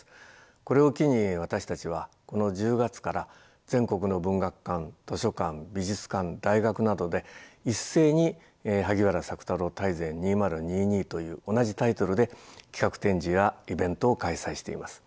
これを機に私たちはこの１０月から全国の文学館図書館美術館大学などで一斉に「萩原朔太郎大全２０２２」という同じタイトルで企画展示やイベントを開催しています。